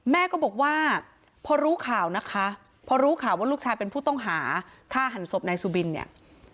แม่ก็บอกว่าพอรู้ข่าวนะคะพอรู้ข่าวว่าลูกชายเป็นผู้ต้องหาฆ่าหันศพนายสุบินเนี่ย